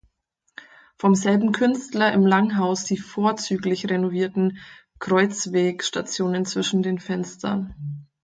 Vom selben Künstler im Langhaus die vorzüglich renovierten Kreuzwegstationen zwischen den Fenstern.